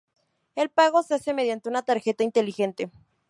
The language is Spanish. El pago se hace mediante una tarjeta inteligente.